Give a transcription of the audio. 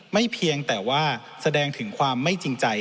เพียงแต่ว่าแสดงถึงความไม่จริงใจ